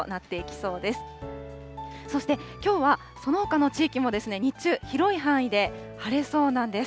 そして、きょうはそのほかの地域も日中、広い範囲で晴れそうなんです。